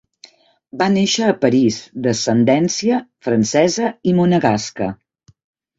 Va néixer a París d'ascendència francesa i monegasca.